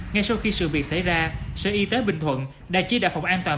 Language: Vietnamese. ngay sau khi sự việc xảy ra sở y tế bình thuận đã chia đạo phòng an toàn